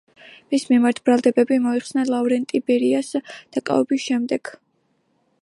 მის მიმართ ბრალდებები მოიხსნა ლავრენტი ბერიას დაკავების შემდეგ.